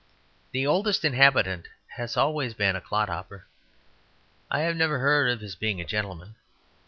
The Oldest Inhabitant has always been a clodhopper; I have never heard of his being a gentleman.